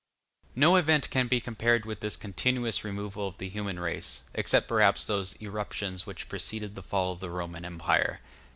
]] No event can be compared with this continuous removal of the human race, except perhaps those irruptions which preceded the fall of the Roman Empire.